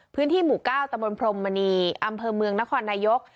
พื้นที่หมู่๙ตะบนพรมมณีอำเภอเมืองนครนายก